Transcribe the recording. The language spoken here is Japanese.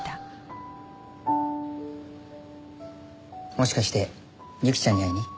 もしかしてユキちゃんに会いに？